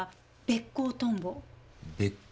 ベッコウトンボ。